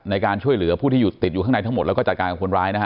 ในการช่วยเหลือผู้ที่อยู่ติดอยู่ข้างในทั้งหมดแล้วก็จัดการกับคนร้ายนะฮะ